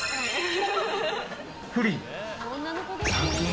フリー？